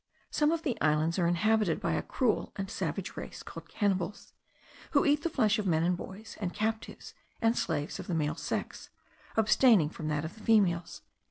"Some of the islands are inhabited by a cruel and savage race, called cannibals, who eat the flesh of men and boys, and captives and slaves of the male sex, abstaining from that of females."